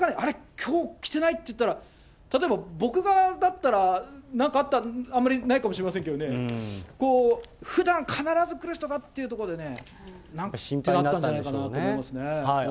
きょう来てないっていったら、例えば、僕だったらなんかあった、あんまりないかもしれないですけどね、ふだん必ず来る人がっていうところでね、なんかあったんじゃないかと思いますね。